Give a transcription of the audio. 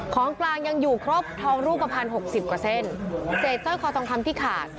ของกลางยังอยู่ครบทองรูปภัณฑ์หกสิบกว่าเส้นเศษสร้อยคอทองคำที่ขาด